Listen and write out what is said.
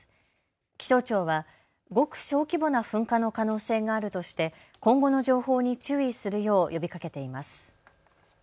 気象庁はごく小規模な噴火の可能性があるとして今後の情報に注意するよう呼びかけています。